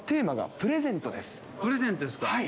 プレゼントですか。